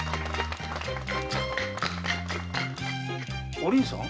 お凛さん